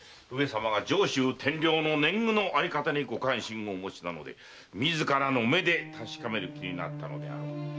上様が上州天領の年貢のあり方にご関心をお持ちなので自らの目で確かめる気になったのであろう。